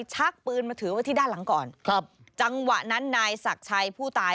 ชักปืนมาถือไว้ที่ด้านหลังก่อนครับจังหวะนั้นนายศักดิ์ชัยผู้ตาย